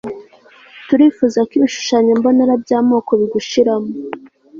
Turifuza ko ibishushanyo mbonera byamoko bigushiramo